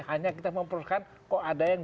hanya kita memperluaskan kok ada yang